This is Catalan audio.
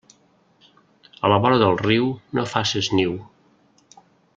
A la vora del riu no faces niu.